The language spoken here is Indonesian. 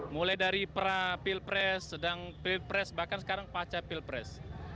mulai dari pra pilpres sedang pilpres bahkan sekarang pacar pilpres